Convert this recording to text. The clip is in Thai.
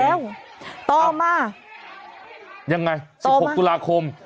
ไม่ไหวแล้วต่อมาต่อมาวันถักมายังไง๑๖ตุลาคม